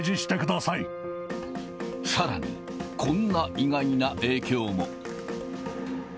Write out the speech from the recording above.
さらに、こんな意外な影響も。